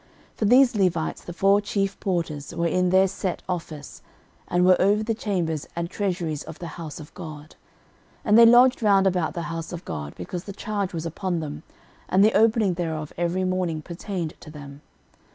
13:009:026 For these Levites, the four chief porters, were in their set office, and were over the chambers and treasuries of the house of God. 13:009:027 And they lodged round about the house of God, because the charge was upon them, and the opening thereof every morning pertained to them.